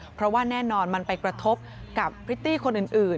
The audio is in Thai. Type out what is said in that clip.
เพราะว่าแน่นอนมันไปกระทบกับพริตตี้คนอื่น